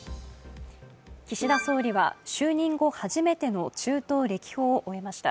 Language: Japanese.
岸田総理は就任後初めての中東歴訪を終えました。